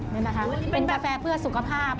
เป็นกาแฟเพื่อสุขภาพค่ะ